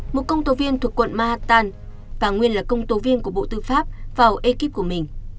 một công tố viên thuộc quận mahatan và nguyên là công tố viên của bộ tư pháp vào ekip của mình